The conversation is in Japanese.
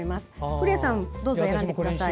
古谷さんもどうぞ選んでください。